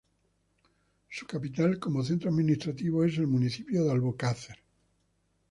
Su capital, como centro administrativo, es el municipio de Albocácer.